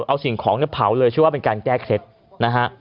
เอาสิ่งของเนี่ยเผาเลยเชื่อว่าเป็นการแก้เคล็ดนะฮะ